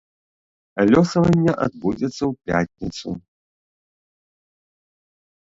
Лёсаванне адбудзецца ў пятніцу.